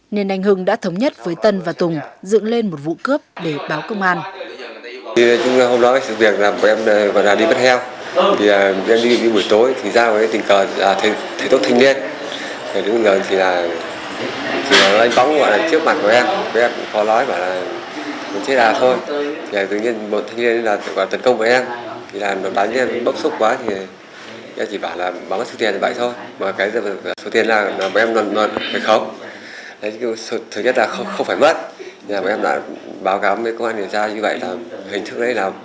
nên anh hưng đã thống nhất với tân và tùng dựng lên một vụ cướp để báo công an